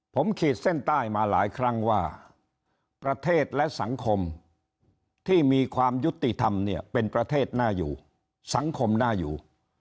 ผมขีดเส้นใต้มาหลายครั้งว่าประเทศและสังคมที่มีความยุติธรรมเนี่ยเป็นประเทศน่าอยู่สังคมน่าอยู่